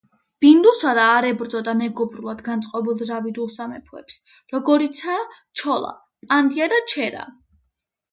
ბინდუსარა არ ებრძოდა მეგობრულად განწყობილ დრავიდულ სამეფოებს, როგორიცაა ჩოლა, პანდია და ჩერა.